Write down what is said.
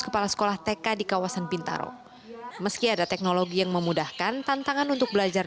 kepala sekolah tk di kawasan bintaro meski ada teknologi yang memudahkan tantangan untuk belajar